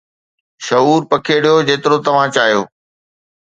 شعور پکيڙيو جيترو توھان چاھيو